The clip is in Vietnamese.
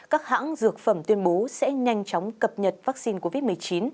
các hãng dược phẩm tuyên bố sẽ nhanh chóng cập nhật vaccine covid một mươi chín